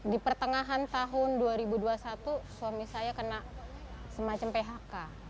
di pertengahan tahun dua ribu dua puluh satu suami saya kena semacam phk